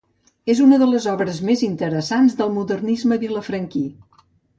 És una de les obres més interessants del modernisme vilafranquí.